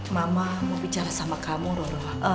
mama mau bicara sama kamu roro